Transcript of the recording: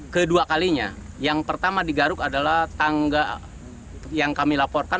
kedua kalinya yang pertama digaruk adalah tangga yang kami laporkan